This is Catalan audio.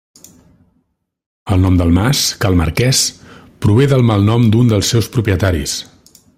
El nom del mas, cal Marquès, prové del malnom d’un dels seus propietaris.